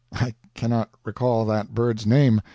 I cannot recall that bird's name.